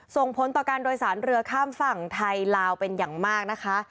ส่งผลต่อการโดยสารเรือข้ามฝั่งไทยลาวเป็นอย่างมากนะคะ